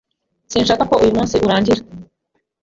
Sinshaka ko uyu munsi urangira.